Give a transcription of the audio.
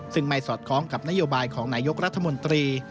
ซึ่งไม่สอดคล้องกับนโยบายของนายกรัฐมนตรี